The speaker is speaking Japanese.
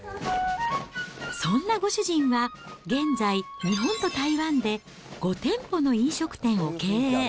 そんなご主人は、現在、日本と台湾で５店舗の飲食店を経営。